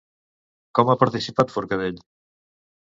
Com ha participat Forcadell?